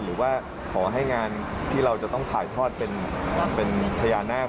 หรือว่าขอให้งานที่เราจะต้องถ่ายทอดเป็นพญานาค